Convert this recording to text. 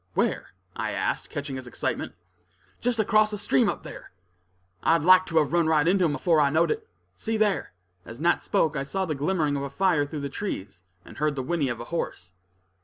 "Where?" I asked, catching his excitement. "Just across the stream up there; I liked to have run right into him afore I knowed it. See there!" As Nat spoke, I saw the glimmering of a fire through the trees, and heard the whinny of a horse.